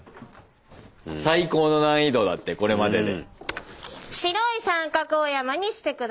最高の難易度だってこれまでで。